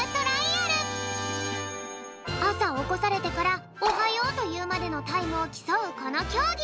あさおこされてから「おはよう」というまでのタイムをきそうこのきょうぎ。